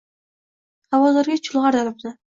Xavotirga chulg’ar dilimni.